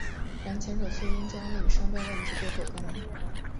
然前者却因专利与商标问题被迫更名。